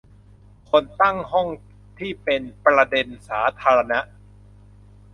คนตั้งห้องที่เป็นประเด็นสาธารณะ